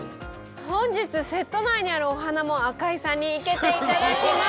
本日セット内にあるお花も赤井さんに生けていただきました。